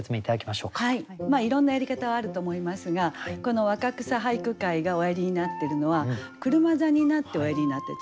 まあいろんなやり方はあると思いますがこの若草俳句会がおやりになっているのは車座になっておやりになってる。